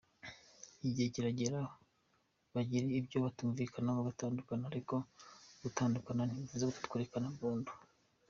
Igihe kiragera bagira ibyo batumvikanaho bagatandukana ariko gutandukana ntibivuze kurekana burundu.